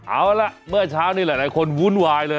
เอาล่ะเมื่อเช้านี้หลายคนวุ่นวายเลย